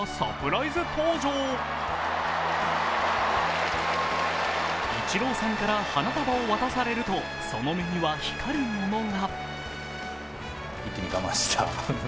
イチローさんから花束を渡されると、その目には光るものが。